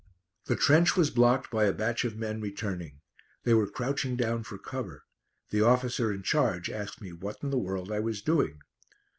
The trench was blocked by a batch of men returning. They were crouching down for cover. The officer in charge asked me what in the world I was doing.